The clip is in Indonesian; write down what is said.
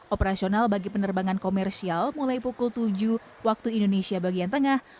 operasional bagi penerbangan komersial mulai pukul tujuh waktu indonesia bagian tengah